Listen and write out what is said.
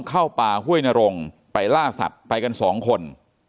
เข้าป่าห้วยนรงไปล่าสัตว์ไปกันสองคน